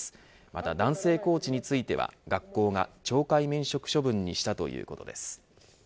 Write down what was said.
また男性コーチについては学校が懲戒免職処分にしたということです。